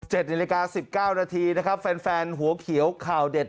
เจ็ดในละการ๑๙นาทีแฟนหัวเขียวข่าวเด็ด